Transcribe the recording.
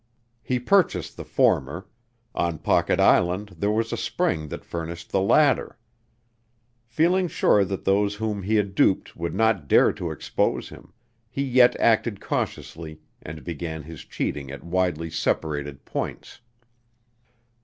He purchased the former; on Pocket Island there was a spring that furnished the latter. Feeling sure that those whom he had duped would not dare to expose him, he yet acted cautiously and began his cheating at widely separated points.